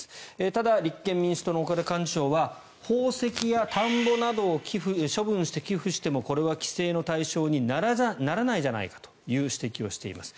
ただ、立憲民主党の岡田幹事長は宝石や田んぼなどを処分して寄付してもこれは規制の対象にならないじゃないかという指摘をしています。